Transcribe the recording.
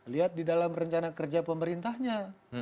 lihat di dalam rencana kerja pemerintahnya